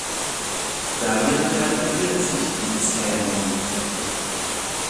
Damit relativiert sich die „Zähmung“.